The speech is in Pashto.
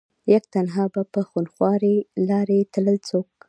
يک تنها به په خونخوارې لارې تلل څوک